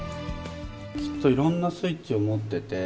きっといろんなスイッチを持ってて。